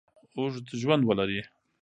اوږد ژوند ولري.